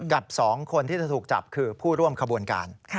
กับ๒คนที่จะถูกจับคือผู้ร่วมขบวนการ